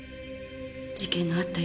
事件があった